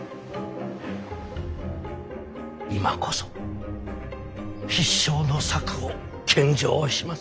今こそ必勝の策を献上します。